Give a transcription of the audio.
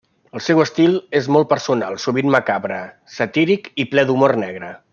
El seu estil és molt personal, sovint macabre, satíric i ple d'humor negre.